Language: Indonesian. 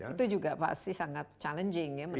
itu juga pasti sangat challenging ya menentang ini